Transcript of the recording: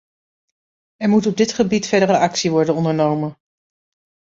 Er moet op dit gebied verdere actie worden ondernomen.